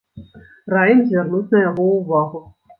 Раім звярнуць на яго ўвагу.